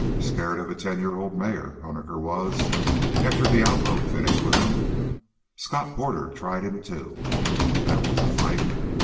Scared of a ten year old mare, Huniker was, after Diablo finished with him. Scott Porter tried him, too. That was a fight!